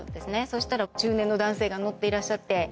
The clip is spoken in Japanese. そしたら中年の男性が乗っていらっしゃって。